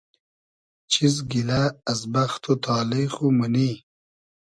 چیز گیلۂ از بئخت و تالې خو مونی؟